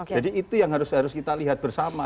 itu yang harus kita lihat bersama